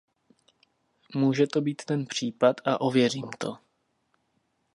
Může to být ten případ a ověřím to.